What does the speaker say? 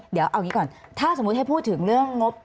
เดี๋ยวเอาอย่างนี้ก่อนถ้าสมมุติให้พูดถึงเรื่องงบ